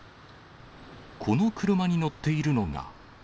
この車に乗っているのが。